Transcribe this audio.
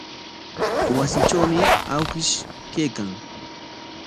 Wasitrawmi awkish kaykan.